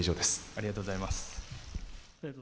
ありがとうございます。